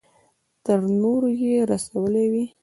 تر نورو يې رسولې وي.